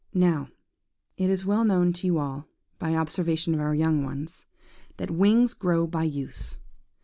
"Now, it is well known to you all, by observation of our young ones, that wings grow by use.